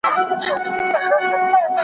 په لوی لاس چي څوک غنم کري نادان دئ .